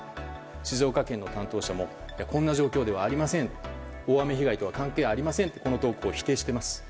静岡県の担当者もこんな状況ではありません大雨被害とは関係ありませんとこの投稿を否定しています。